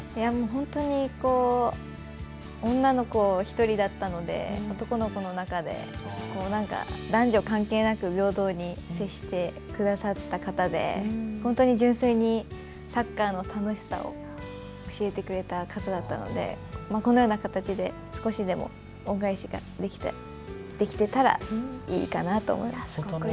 本当に女の子１人だったので男の子の中で男女関係なく平等に接してくださった方で本当に純粋にサッカーの楽しさを教えてくれた方だったのでこのような形で少しでも恩返しができてたらいいかなと思います。